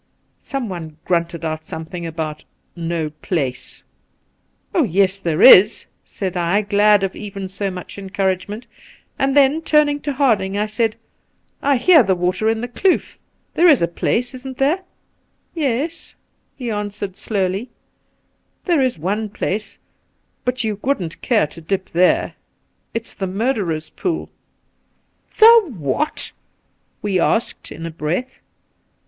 Someone grunted out something about ' no place.' ' Oh yes, there is,' said I, glad of even so much encouragement ; and then, turning to Harding, I said :' I hear the water in the kloof. There is a place j isn't there V 'Yes,' he answered slowly, 'there is one place, but you wouldn't care to dip there. ... It's the Murderer's Pool.' ' The what V we asked in a breath.